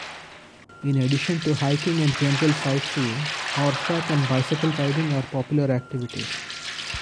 In addition to hiking and general sightseeing, horseback and bicycle riding are popular activities.